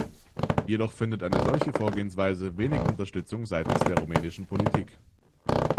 Jedoch findet eine solche Vorgehensweise wenig Unterstützung seitens der rumänischen Politik.